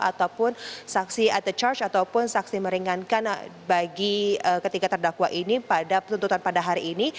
ataupun saksi at the charge ataupun saksi meringankan bagi ketiga terdakwa ini pada tuntutan pada hari ini